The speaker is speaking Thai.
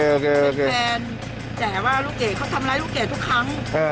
เขาเป็นแฟนลูกเกดค่ะเขาเป็นแฟนแต่ว่าลูกเกดเขาทำร้ายลูกเกดทุกครั้ง